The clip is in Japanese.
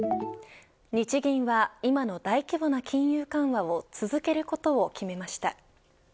日銀は今の大規模な金融緩和を続けることを決めました。